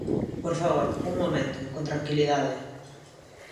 Por favor, un momento, con tranquilidade.